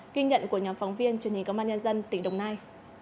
ghi nhận của nhóm phóng viên truyền hình công an nhân dân tỉnh đồng nai